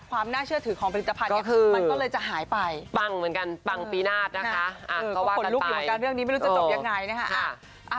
ก็ว่ากันไปก็ขนลุกอยู่ข้างกลางเรื่องนี้ไม่รู้จะจบยังไงนะคะ